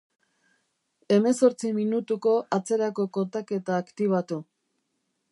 Hemezortzi minutuko atzerako kontaketa aktibatu.